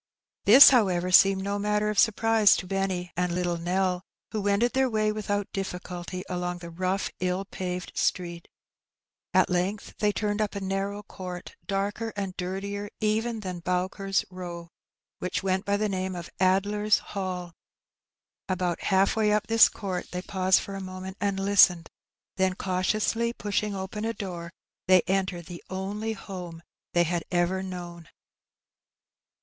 This, however, seemed no matter of surprise to Benny and Addleb's Hall. 15 little Nell, who wended their way without difficulty along the rough, ill paved street. At length they tamed up a narrow court, darker and dirtier even than Bowker's Bow, which went by the name of "Addler's Hall." About half way up this court they paused for a moment and hstened ; then, cautiously poshing open a door, they entered the only home they had ever known.